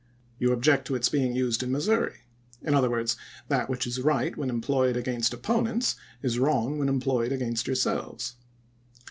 You object to its being used in Missouri. In other words, that which is right when employed against opponents is wi'ong when employed against yourselves.